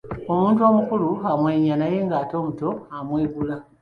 Omuntu omukulu amwenya naye ate omuto amwegula.